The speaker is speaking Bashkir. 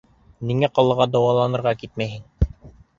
Ниңә ҡалаға дауаланырға китмәйһең?